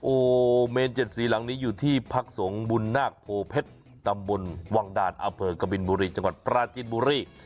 โอ้โหเมนเจ็ดสีหลังนี้อยู่ที่พักสงฆ์บุญนาคโพเพชรตำบลวังด่านอำเภอกบินบุรีจังหวัดปราจินบุรี